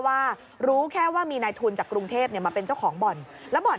ว่ารู้แค่ว่ามีนายทุนจากกรุงเทพมาเป็นเจ้าของบ่อนแล้วบ่อน